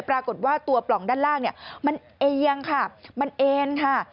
แต่ปรากฏว่าตัวปล่องด้านล่างมันเอเองค่ะมันเอนค่ะ